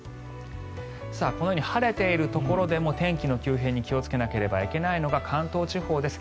このように晴れているところでも天気の急変に気をつけなければいけないのが関東地方です。